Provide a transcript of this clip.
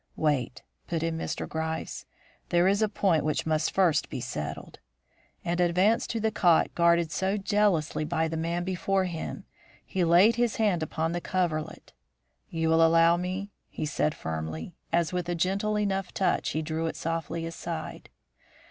"Wait!" put in Mr. Gryce; "there is a point which must first be settled." And, advancing to the cot guarded so jealously by the man before him, he laid his hand upon the coverlet. "You will allow me," he said firmly, as with a gentle enough touch he drew it softly aside.